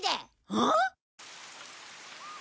あっ！？